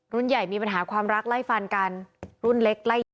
ใหญ่มีปัญหาความรักไล่ฟันกันรุ่นเล็กไล่ยิง